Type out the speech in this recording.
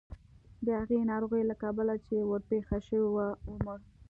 د هغې ناروغۍ له کبله چې ورپېښه شوې وه ومړ.